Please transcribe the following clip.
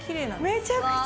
めちゃくちゃ。